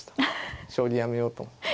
将棋やめようと思って。